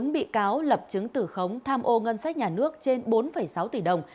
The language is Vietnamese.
bốn bị cáo lập chứng tử khống tham ô ngân sách nhà nước trên bốn sáu tỷ đồng